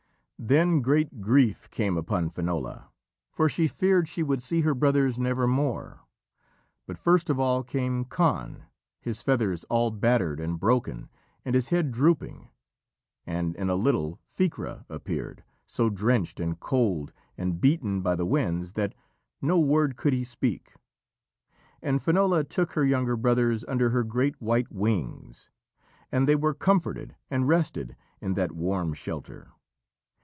Then great grief came upon Finola, for she feared she would see her brothers nevermore. But first of all came Conn, his feathers all battered and broken and his head drooping, and in a little Ficra appeared, so drenched and cold and beaten by the winds that no word could he speak. And Finola took her younger brothers under her great white wings, and they were comforted and rested in that warm shelter.